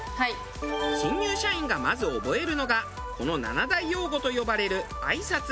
新入社員がまず覚えるのがこの７大用語と呼ばれる挨拶。